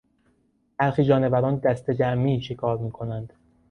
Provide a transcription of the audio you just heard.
برخی جانوران دستهجمعی شکار میکنند.